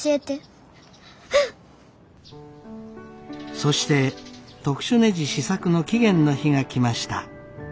そして特殊ねじ試作の期限の日が来ました。